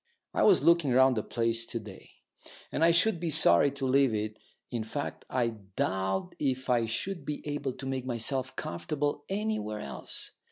I was looking round the place to day, and I should be sorry to leave it in fact, I doubt if I should be able to make myself comfortable anywhere else.